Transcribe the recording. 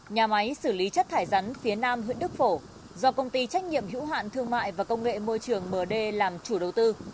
nhà máy xử lý chất thải rắn phía nam huyện đức phổ do công ty trách nhiệm hữu hạn thương mại và công nghệ môi trường md làm chủ đầu tư